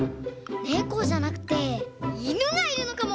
ねこじゃなくていぬがいるのかも！